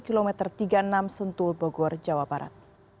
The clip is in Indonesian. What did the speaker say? kilometer tiga puluh enam sentul bogor jawa barat